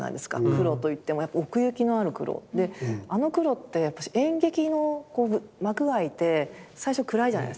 黒といっても奥行きのある黒であの黒ってやっぱし演劇の幕が開いて最初暗いじゃないですか。